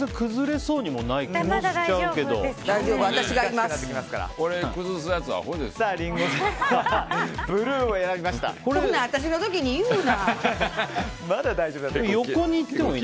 そんな私の時に言うな！